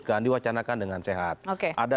kan diwacanakan dengan sehat ada